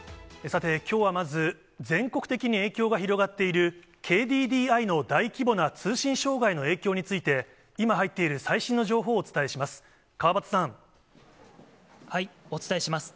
さてきょうはまず、全国的に影響が広がっている、ＫＤＤＩの大規模な通信障害の影響について、今、入っている最新の情報をお伝えします。